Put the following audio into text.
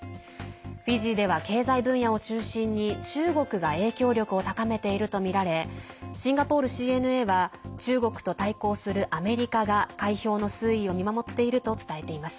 フィジーでは経済分野を中心に中国が影響力を高めているとみられシンガポールＣＮＡは中国と対抗するアメリカが開票の推移を見守っていると伝えています。